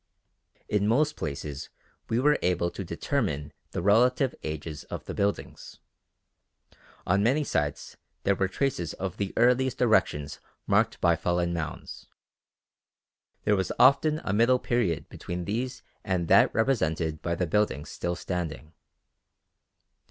In most places we were able to determine the relative ages of the buildings. On many sites there were traces of the earliest erections marked by fallen mounds. There was often a middle period between these and that represented by the buildings still standing.